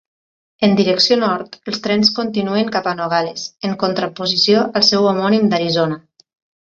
En direcció nord, els trens continuen cap a Nogales, en contraposició al seu homònim d'Arizona.